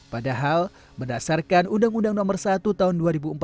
padahal berdasarkan undang undang nomor satu tahun dua ribu empat belas